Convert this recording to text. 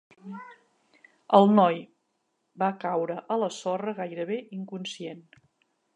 El noi va caure a la sorra, gairebé inconscient.